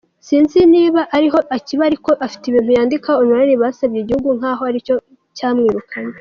Sinzi niba ariho akiba, ariko afite ibintu yandika online bisebya igihugu , nkaho aricyo cyamwirukanye.